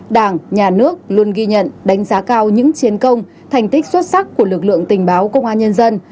đảng nhà nước luôn ghi nhận đánh giá cao những chiến công thành tích xuất sắc của lực lượng tình báo công an nhân dân